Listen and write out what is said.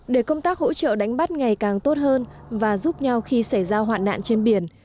để công tác hỗ trợ đánh bắt ngày càng tốt hơn và giúp nhau khi xảy ra hoạn nạn trên biển